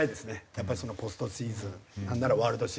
やっぱりポストシーズンなんならワールドシリーズまで。